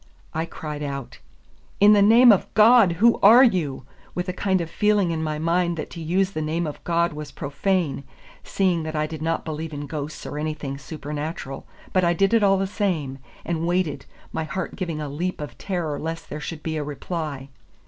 I cried out, "In the name of God, who are you?" with a kind of feeling in my mind that to use the name of God was profane, seeing that I did not believe in ghosts or anything supernatural; but I did it all the same, and waited, my heart giving a leap of terror lest there should be a reply.